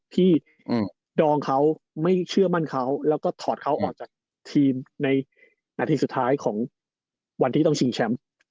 ที่ดองเขาไม่เชื่อมั่นเขาแล้วก็ถอดเขาออกจากทีมในนาทีสุดท้ายของวันที่ต้องชิงแชมป์